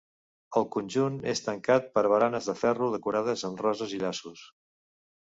El conjunt és tancat per baranes de ferro decorades amb roses i llaços.